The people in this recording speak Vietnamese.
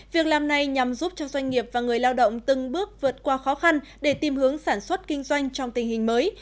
việc làm này nhằm giúp cho doanh nghiệp và người lao động từng bước vượt qua khó khăn để tìm hướng sản xuất kinh doanh trong tình hình mới